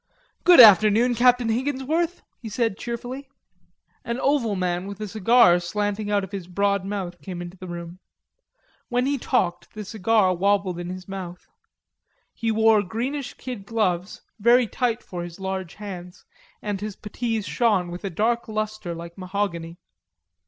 "Good afternoon, Captain Higginsworth," he said cheerfully. An oval man with a cigar slanting out of his broad mouth came into the room. When he talked the cigar wobbled in his mouth. He wore greenish kid gloves, very tight for his large hands, and his puttees shone with a dark lustre like mahogany.